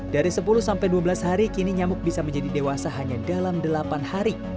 dari sepuluh sampai dua belas hari kini nyamuk bisa menjadi dewasa hanya dalam delapan hari